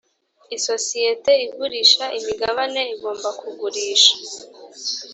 isosiyete igurisha imigabane igomba kugurisha.